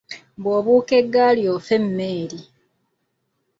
Bw’obuuka eggaali ofa emmeeri.